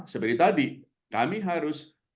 seperti tadi kami harus